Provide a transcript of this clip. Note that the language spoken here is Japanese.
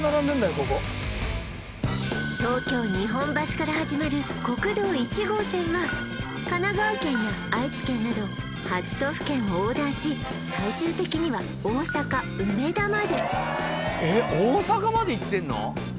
ここ東京日本橋から始まる国道１号線は神奈川県や愛知県など８都府県を横断し最終的には大阪梅田までえっ大阪までいってんの！？